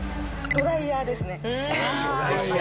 ドライヤーです。